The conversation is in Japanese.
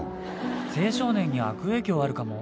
青少年に悪影響あるかも。